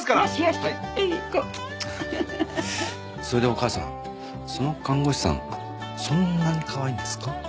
それでお母さんその看護師さんそんなにかわいいんですか？